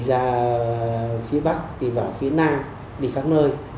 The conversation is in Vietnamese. đi ra phía bắc đi vào phía nam đi khắp nơi